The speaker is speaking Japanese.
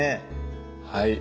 はい。